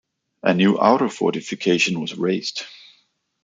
A new outer fortification was raised.